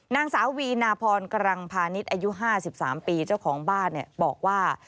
นางสาววีนาพรกำลังพานิดอายุ๕๓ปีเจ้าของบ้านเนี่ยบอกว่า